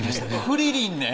クリリンね！